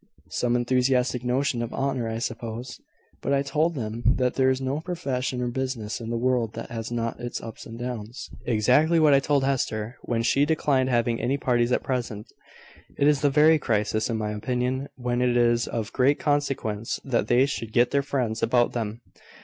Some enthusiastic notion of honour, I suppose . But I told them that there is no profession or business in the world that has not its ups and downs." "Exactly what I told Hester, when she declined having any parties at present in the very crisis, in my opinion, when it is of great consequence that they should get their friends about them.